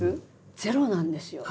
ゼロなんですよ。